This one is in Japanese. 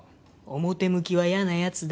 表向きは嫌なやつだ